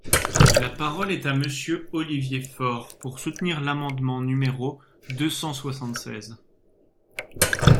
La parole est à Monsieur Olivier Faure, pour soutenir l’amendement numéro deux cent soixante-seize.